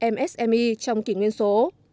msmi trong kỷ nguyên số